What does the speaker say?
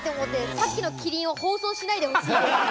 さっきのキリンを放送しないでほしいです。